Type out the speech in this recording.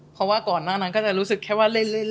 เพราะว่าก่อนหน้านั้นก็จะรู้สึกแค่ว่าเล่น